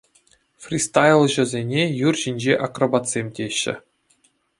Фристайлҫӑсене юр ҫинчи акробатсем теҫҫӗ.